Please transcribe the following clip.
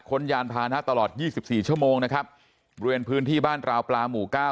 ยานพานะตลอด๒๔ชั่วโมงนะครับบริเวณพื้นที่บ้านราวปลาหมู่เก้า